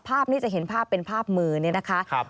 ภาพนี้จะเห็นภาพเป็นภาพมือนี่นะคะ